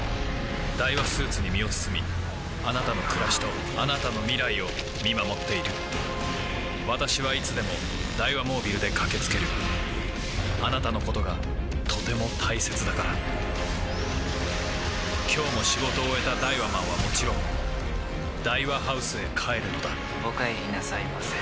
ダイワスーツに身を包みあなたの暮らしとあなたの未来を見守っている私はいつでもダイワモービルで駆け付けるあなたのことがとても大切だから今日も仕事を終えたダイワマンはもちろんダイワハウスへ帰るのだお帰りなさいませ。